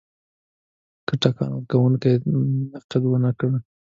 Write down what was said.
که ټکان ورکونکی نقد ونه کړو.